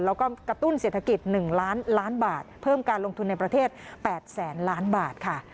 แล้วก็กระตุ้นเศรษฐกิจ๑ล้านล้านบาทเพิ่มการลงทุนในประเทศ๘แสนล้านบาทค่ะ